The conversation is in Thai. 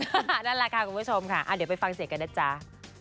นั่นแหละค่ะคุณผู้ชมค่ะเดี๋ยวไปฟังเสียงกันนะจ๊ะ